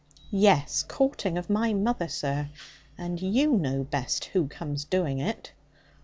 'Yes, courting of my mother, sir. And you know best who comes doing it.'